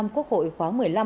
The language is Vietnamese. quốc hội khóa một mươi năm